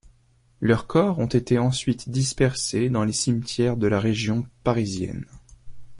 Leurs corps ont été ensuite dispersés dans les cimetières de la région parisienne.